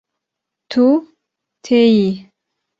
Tu têyî